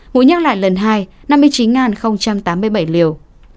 ngũ nhắc lại lần hai năm mươi chín tám mươi bảy liều